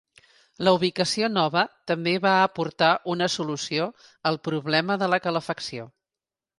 La ubicació nova també va aportar una solució al problema de la calefacció.